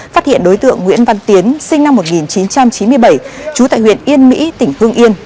phát hiện đối tượng nguyễn văn tiến sinh năm một nghìn chín trăm chín mươi bảy trú tại huyện yên mỹ tỉnh hương yên